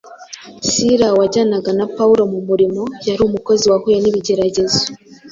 Sila wajyanaga na Pawulo mu murimo, yari umukozi wahuye n’ibigeragezo,